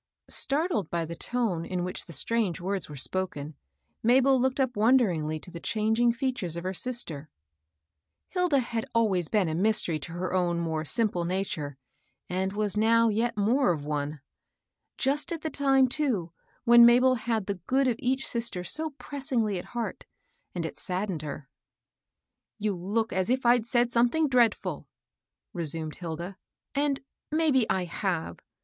Startled by the tone in which the strange words were spoken, Mabel looked up wonderingly to the changing features of her sister. Hilda had always HILDA. 29 been a mystery to her own more simple nature, and was now yet more of one. Just at the tune, too, when Mabel had the good of each sister so pressingly at heart, and it saddened her. " You look as if Td said something dreadful,'* resumed Hilda, "and maybe I have.